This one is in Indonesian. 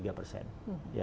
saat selesai menjabat